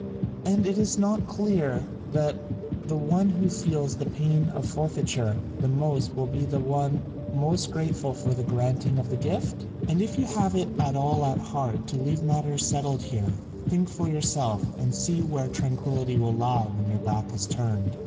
And is it not clear that the one who feels the pain of forfeiture the most will be the one most grateful for the granting of the gift? And if you have it at all at heart to leave matters settled here, think for yourself, and see where tranquillity will lie when your back is turned.